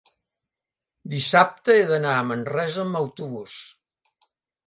dissabte he d'anar a Manresa amb autobús.